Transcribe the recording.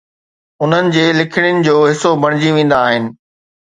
انهن جي لکڻين جو حصو بڻجي ويندا آهن